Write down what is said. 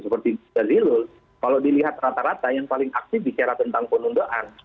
seperti jazilul kalau dilihat rata rata yang paling aktif bicara tentang penundaan